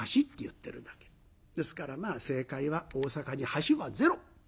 ですからまあ正解は大阪に橋はゼロ。